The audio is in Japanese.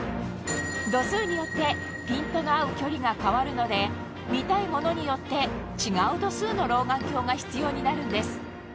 度数によってピントの合う距離が変わるので見たいものによって違う度数の老眼鏡が必要になるんです